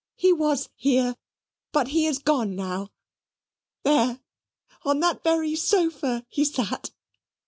"He was here, but he is gone now. There on that very sofa he sate.